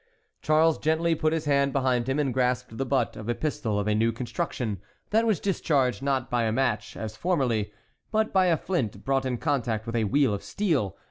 Charles gently put his hand behind him, and grasped the butt of a pistol of a new construction, that was discharged, not by a match, as formerly, but by a flint brought in contact with a wheel of steel.